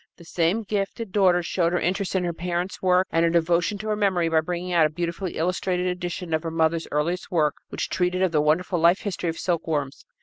The same gifted daughter showed her interest in her parent's work and her devotion to her memory by bringing out a beautifully illustrated edition of her mother's earliest work which treated of the wonderful life history of silkworms.